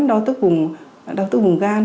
đau tức vùng gan